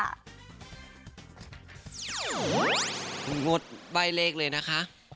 งดใบเลขเลยนะคะ